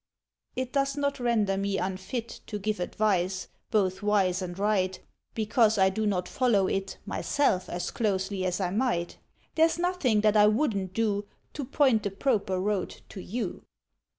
It does not render me unfit To give advice, both wise and right, Because I do not follow it Myself as closely as I might; There's nothing that I wouldn't do To point the proper road to you.